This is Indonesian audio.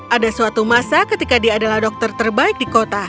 ada suatu masa ketika dia adalah dokter terbaik di kota